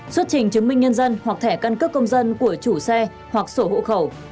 xuất trình chứng minh nhân dân hoặc thẻ căn cước công dân của chủ xe hoặc sổ hộ khẩu